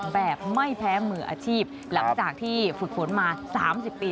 แบบไม่แพ้มืออาชีพหลังจากที่ฝึกฝนมา๓๐ปี